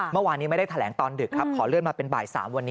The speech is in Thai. เมื่อวานนี้ไม่ได้แถลงตอนดึกครับขอเลื่อนมาเป็นบ่าย๓วันนี้